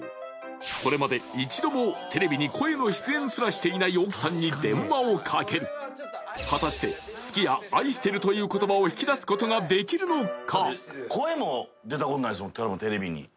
これまで一度もテレビに声の出演すらしていない奥さんに電話をかける果たして「好き」や「愛してる」という言葉を引き出すことができるのか・